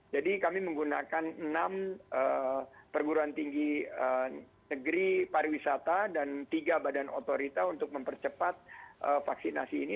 jadi kami menggunakan enam perguruan tinggi negeri pariwisata dan tiga badan otorita untuk mempercepat vaksinasi ini